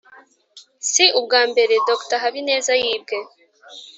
si ubwa mbere dr habineza yibwe